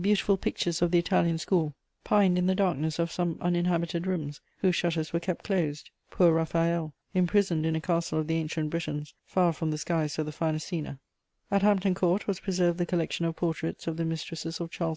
Beautiful pictures of the Italian school pined in the darkness of some uninhabited rooms, whose shutters were kept closed: poor Raphael, imprisoned in a castle of the ancient Britons, far from the skies of the Farnesina! At Hampton Court was preserved the collection of portraits of the mistresses of Charles II.